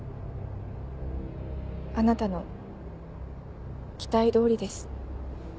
あなたの期待通りです。